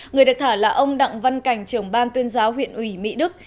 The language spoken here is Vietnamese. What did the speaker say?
người được thả là ông đặng văn cảnh trưởng ban tuyên giáo huyện ủy mỹ đức